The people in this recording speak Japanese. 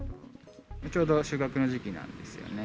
ちょうど収穫の時期なんですよね。